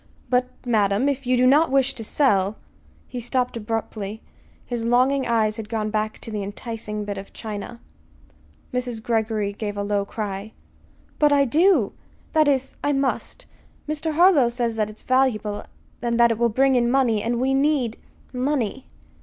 "But, madam, if you do not wish to sell " He stopped abruptly. His longing eyes had gone back to the enticing bit of china. Mrs. Greggory gave a low cry. "But I do that is, I must. Mr. Harlow says that it is valuable, and that it will bring in money; and we need money."